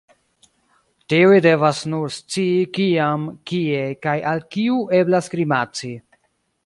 Tiuj devas nur scii, kiam, kie, kaj al kiu eblas grimaci.